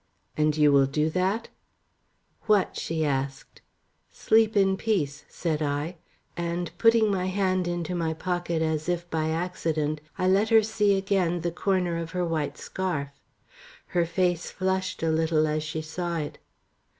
"And you will do that?" "What?" she asked. "Sleep in peace," said I; and putting my hand into my pocket as if by accident, I let her see again the corner of her white scarf. Her face flushed a little as she saw it.